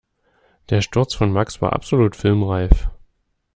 Der Sturz von Max war absolut filmreif.